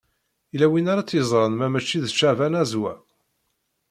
Yella win ara tt-yeẓren ma mačči d Caɛban Azwaw?